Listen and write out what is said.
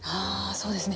そうですね。